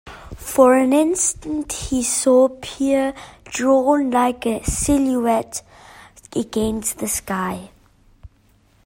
For an instant he saw Pierre drawn like a silhouette against the sky.